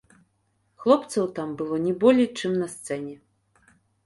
Хлопцаў там было не болей, чым на сцэне.